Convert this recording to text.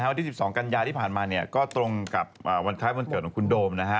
วันที่๑๒กันยาที่ผ่านมาเนี่ยก็ตรงกับวันคล้ายวันเกิดของคุณโดมนะฮะ